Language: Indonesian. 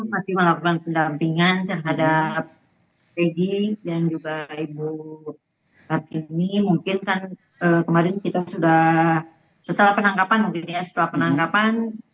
masih melakukan pendampingan terhadap egy dan juga ibu kartini mungkin kan kemarin kita sudah setelah penangkapan mungkin ya setelah penangkapan